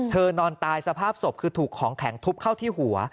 นอนตายสภาพศพคือถูกของแข็งทุบเข้าที่หัว